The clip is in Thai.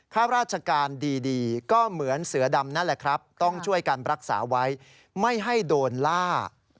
ข้าราชการดีก็เหมือนเสือดำนั่นแหละครับต้องช่วยกันรักษาไว้ไม่ให้โดนล่า